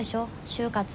就活。